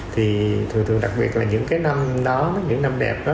thì thường thường đặc biệt là những cái năm đó những năm đẹp đó